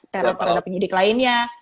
teror terhadap penyidik lainnya